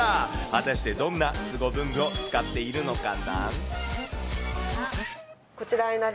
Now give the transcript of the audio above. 果たして、どんなすご文具を使っているのかな。